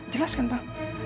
jelas kan pak